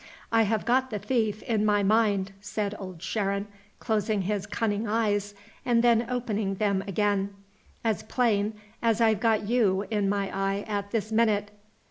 I have got the thief in my mind," said Old Sharon, closing his cunning eyes and then opening them again, "as plain as I've got you in my eye at this minute.